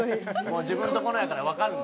自分のとこのやからわかるんだ？